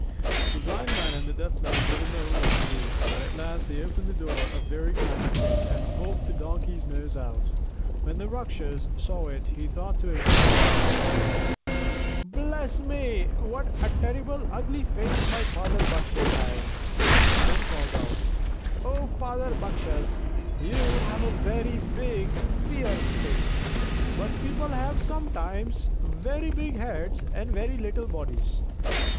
The Blind Man and the Deaf Man didn't know what to do; but at last they opened the door a very tiny chink and poked the Donkey's nose out. When the Rakshas saw it he thought to himself: "Bless me, what a terribly ugly face my father Bakshas has!" He then called out: "O father Bakshas, you have a very big, fierce face; but people have sometimes very big heads and very little bodies.